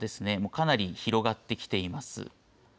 かなり広がってきています。